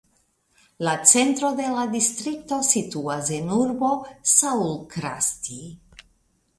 La centro de la distrikto situas en urbo Saulkrasti.